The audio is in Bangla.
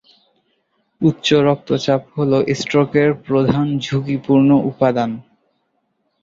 উচ্চ রক্তচাপ হলো স্ট্রোকের প্রধান ঝুঁকিপূর্ণ উপাদান।